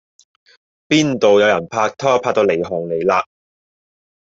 邊道有人拍拖拍到離行離迾